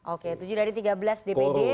oke tujuh dari tiga belas dpd